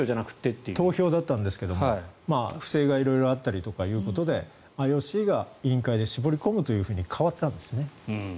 昔は投票だったんですが不正が色々あったりということでＩＯＣが委員会で絞り込むというふうに変わったんですね。